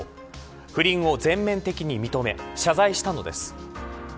不倫を全面的に認め謝罪したのです。